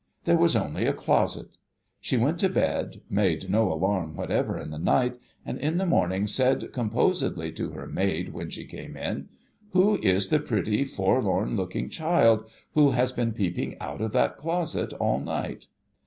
There was only a closet. She went to bed, made no alarm whatever in the night, and in the morning said composedly to her maid when she came in, ' Who is the pretty forlorn looking child who has been peeping out of that closet all night